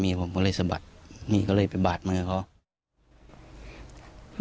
มี่เพราะเลยไปบาดมือเขา